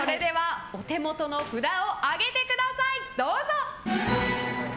お手元の札を上げてください。